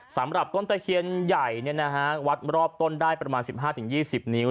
สำหรับต้นตะเคียนใหญ่วัดรอบต้นได้ประมาณ๑๕๒๐นิ้ว